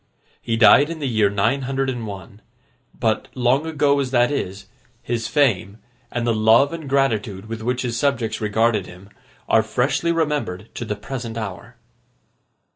He died in the year nine hundred and one; but, long ago as that is, his fame, and the love and gratitude with which his subjects regarded him, are freshly remembered to the present hour.